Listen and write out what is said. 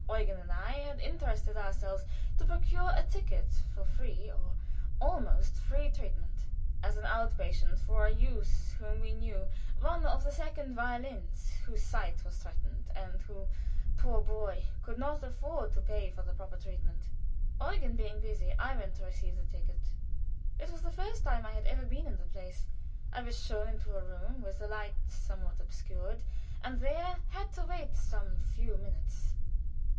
Eugen and I had interested ourselves to procure a ticket for free, or almost free, treatment as an out patient for a youth whom we knew one of the second violins whose sight was threatened, and who, poor boy, could not afford to pay for proper treatment. Eugen being busy, I went to receive the ticket. It was the first time I had been in the place. I was shown into a room with the light somewhat obscured, and there had to wait some few minutes.